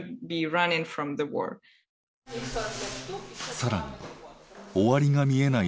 さらに終わりが見えない